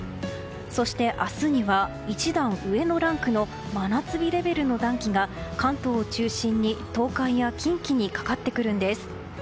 そして明日には一段上のランクの真夏日レベルの真夏日レベルの暖気が関東を中心に東海や近畿にかかってくるんです。